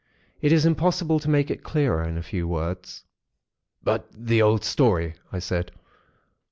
It is impossible to make it clearer, in a few words." "But the old story!" I said.